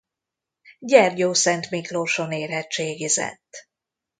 Gyergyószentmiklóson érettségizett.